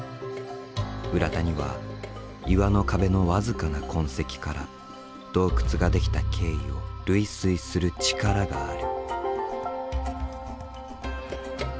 浦田には岩の壁の僅かな痕跡から洞窟が出来た経緯を類推する力がある。